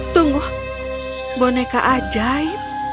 tunggu boneka ajaib